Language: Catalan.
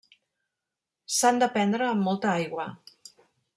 S'han de prendre amb molta aigua.